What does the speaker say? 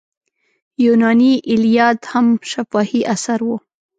یوناني ایلیاد هم شفاهي اثر و.